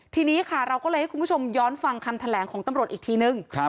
ทีนี้ค่ะเราก็เลยให้คุณผู้ชมย้อนฟังคำแถลงของตำรวจอีกทีนึง